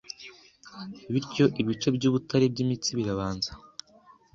bityo ibice byubutare byimitsi birabanza